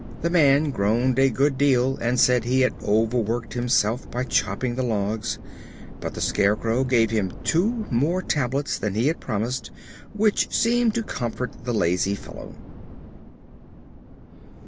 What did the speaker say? The man groaned a good deal and said he had overworked himself by chopping the logs, but the Scarecrow gave him two more tablets than he had promised, which seemed to comfort the lazy fellow.